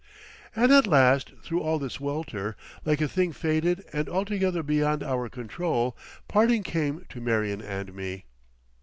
And at last through all this welter, like a thing fated and altogether beyond our control, parting came to Marion and me.